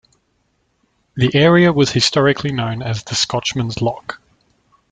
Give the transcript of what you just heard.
The area was historically known as the "Scotchman's Lock".